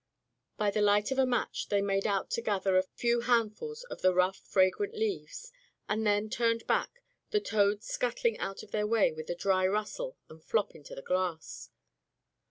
By the light of a match they made out to gather a few handfuls of the rough, fragrant leaves, and then turned back, the toads scut tling out of their way with a dry rustle and flop into the grass.